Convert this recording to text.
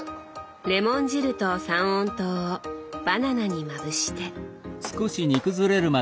レモン汁と三温糖をバナナにまぶして。